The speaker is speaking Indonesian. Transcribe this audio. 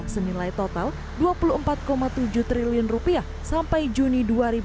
senilai total rp dua puluh empat tujuh triliun sampai juni dua ribu dua puluh